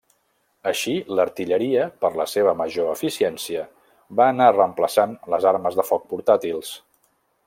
Així l'artilleria, per la seva major eficiència, va anar reemplaçant les armes de foc portàtils.